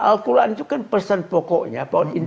al quran itu kan pesan pokoknya